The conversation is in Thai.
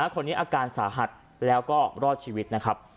คนนี้อาการสาหัสแล้วก็รอดชีวิตนะครับ